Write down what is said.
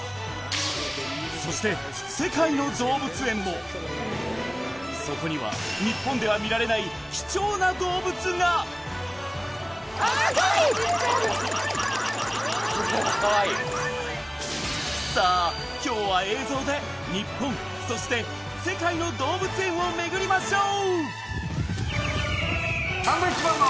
そして世界の動物園もそこにはこれはかわいいさあ今日は映像で日本そして世界の動物園を巡りましょう！